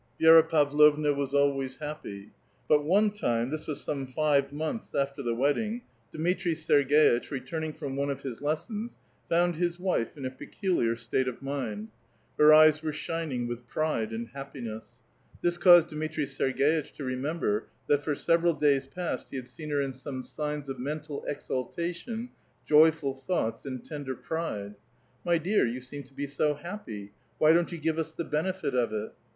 Vi^ra Pavlovna was always happy. But one time (this wns some five months after the wedding) Dmitri Serg^itch, returning from one of his lessons, found his wife in a peculiar state of mind. Her eyes were shining with pride and happiness. This caused Dmiti'i Serg^itch to remember that for several days past he had seen in her some signs of mental exalta tion, joyful thoughts, and tender pride. *' My dear, you seem to be so happy ; wh}' don't 3'ou give us the benefit of it?"